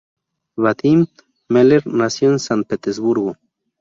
Vadim Meller nació en San Petersburgo.